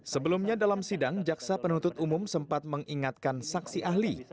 sebelumnya dalam sidang jaksa penuntut umum sempat mengingatkan saksi ahli